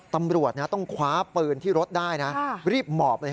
ตำรวจต้องคว้าปืนที่รถได้นะรีบหมอบเลย